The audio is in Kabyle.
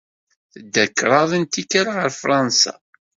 Tedda kraḍt n tikkal ɣer Fṛansa.